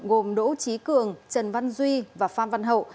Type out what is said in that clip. gồm đỗ trí cường trần văn duy và phan văn hậu